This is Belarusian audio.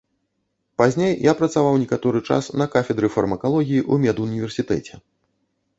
Пазней я працаваў некаторы час на кафедры фармакалогіі ў медуніверсітэце.